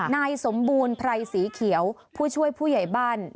นายสมบูรณ์ไพรสีเขียวผู้ช่วยผู้ใหญ่บ้าน